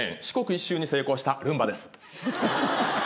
一周に成功したルンバです。